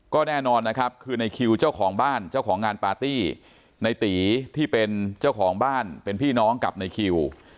ก็แน่นอนนะครับคือในคิวเจ้าของบ้านเจ้าของงานปาร์ตี้ในตีที่เป็นเจ้าของบ้านเป็นพี่น้องกับในคิว